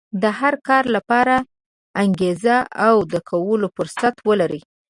د هر کار لپاره انګېزه او د کولو فرصت ولرئ.